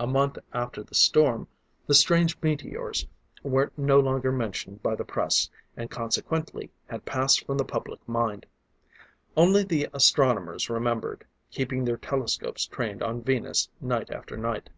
A month after the storm, the strange meteors were no longer mentioned by the press, and consequently, had passed from the public mind. Only the astronomers remembered, keeping their telescopes trained on Venus night after night.